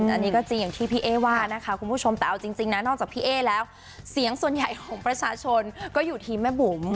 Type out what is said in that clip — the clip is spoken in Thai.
อันนี้ก็จริงอย่างที่พี่เอ๊ว่านะคะคุณผู้ชมแต่เอาจริงนะนอกจากพี่เอ๊แล้วเสียงส่วนใหญ่ของประชาชนก็อยู่ทีมแม่บุ๋ม